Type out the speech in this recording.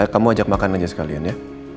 kamu ajak makan aja sekalian ya